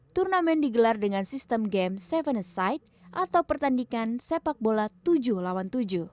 turnamen digelar dengan sistem game tujuh site atau pertandingan sepak bola tujuh lawan tujuh